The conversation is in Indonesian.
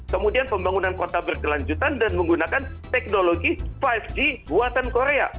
kemudian pembangunan kota berkelanjutan dan menggunakan teknologi lima g buatan korea